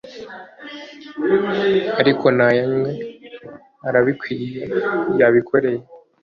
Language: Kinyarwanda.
ariko nayanywe arabikwiye yabikoreye